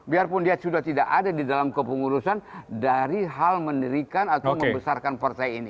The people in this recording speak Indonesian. biarpun dia sudah tidak ada di dalam kepengurusan dari hal mendirikan atau membesarkan partai ini